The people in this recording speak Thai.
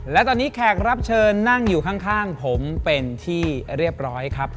และตอนนี้แขกรับเชิญนั่งอยู่ข้างผมเป็นที่เรียบร้อยครับ